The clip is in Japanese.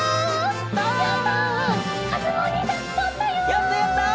やったやった！